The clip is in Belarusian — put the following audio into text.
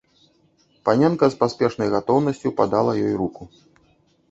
Паненка з паспешнай гатоўнасцю падала ёй руку.